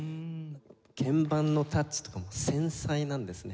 鍵盤のタッチとかも繊細なんですね。